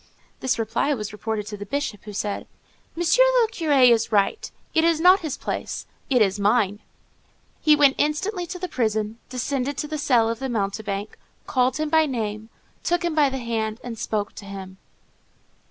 This reply was reported to the Bishop, who said, "Monsieur le Curé is right: it is not his place; it is mine." He went instantly to the prison, descended to the cell of the "mountebank," called him by name, took him by the hand, and spoke to him.